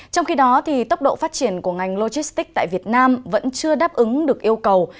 trong khi đó tốc độ phát triển của ngành logistics tại việt nam vẫn chưa đáp ứng được yêu cầu